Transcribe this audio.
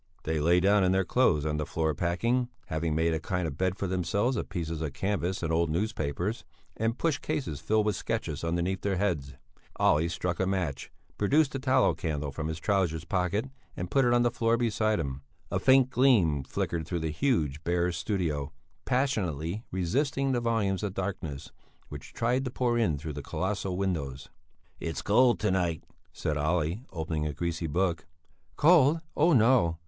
They lay down in their clothes on the floor packing, having made a kind of bed for themselves of pieces of canvas and old newspapers, and pushed cases filled with sketches underneath their heads. Olle struck a match, produced a tallow candle from his trousers pocket and put it on the floor beside him. A faint gleam flickered through the huge, bare studio, passionately resisting the volumes of darkness which tried to pour in through the colossal windows. "It's cold to night," said Olle, opening a greasy book. "Cold! Oh no!